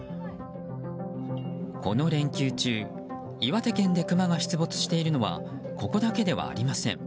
この連休中岩手県でクマが出没しているのはここだけではありません。